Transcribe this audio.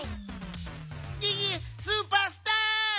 ギギスーパースター！